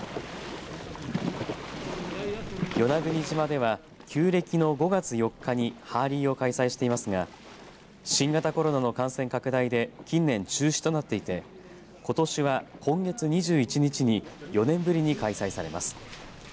与那国島では旧暦の５月４日にハーリーを開催していますが新型コロナの感染拡大で近年中止となっていてことしは今月２１日に４年ぶりに開催されます。